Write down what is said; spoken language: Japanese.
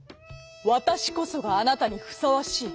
「わたしこそがあなたにふさわしい」。